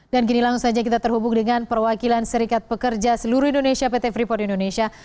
dan kini langsung saja kita terhubung dengan perwakilan serikat pekerja seluruh indonesia pt freeport indonesia